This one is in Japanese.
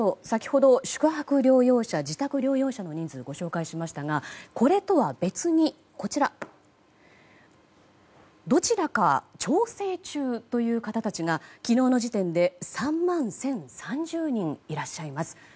先ほど宿泊療養者、自宅療養者の人数を紹介しましたがこれとは別にどちらか調整中という方たちが昨日の時点で３万１０３０人いらっしゃいます。